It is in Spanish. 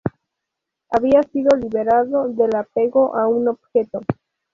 Había sido liberado del apego a un objeto.